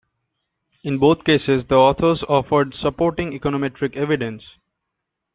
In both cases, the authors offered supporting econometric evidence.